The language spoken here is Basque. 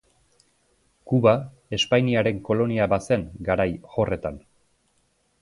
Kuba Espainiaren kolonia bazen garai horretan.